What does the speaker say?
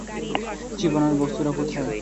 চিবানোর বস্তুটা কোথায়?